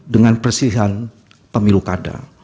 dengan persihan pemilu kada